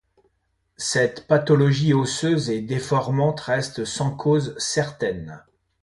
Cette pathologie osseuse et déformante reste sans cause certaine.